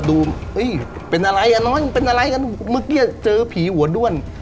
แต่เมื่อกี้มันเจอผีหัวด้วน